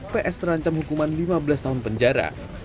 ps terancam hukuman lima belas tahun penjara